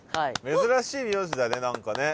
珍しい名字だね何かね。